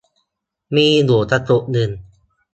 มีอยู่กระจุกนึง